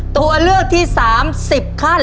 ตัวเลือกที่๓๐ขั้น